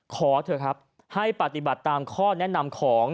ขอเถอะครับให้ปฏิบัติตามข้อแนะนำของ